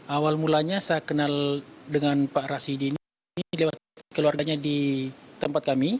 awal mulanya saya kenal dengan pak rasidi ini lewat keluarganya di tempat kami